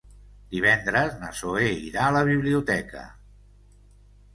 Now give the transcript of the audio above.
Divendres na Zoè irà a la biblioteca.